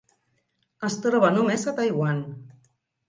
Es troba només a Taiwan.